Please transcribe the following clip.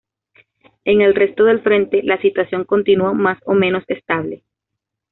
En el resto del frente la situación continuó más o menos estable.